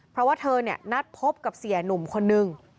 เพราะว่าเธอนัดพบกับเสียหนุ่มคนนึง